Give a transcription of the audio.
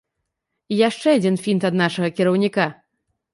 І яшчэ адзін фінт ад нашага кіраўніка.